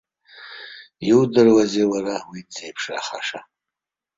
Иудыруазеи, уара, уи дзеиԥшрахаша?